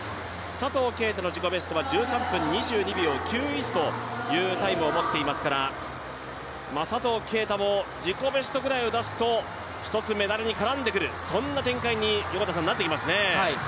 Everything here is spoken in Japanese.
佐藤圭汰の自己ベストは１３分２２秒９１というタイムを持っていますから佐藤圭汰も自己ベストぐらいを出すと一つメダルに絡んでくるそんな展開になってきますね。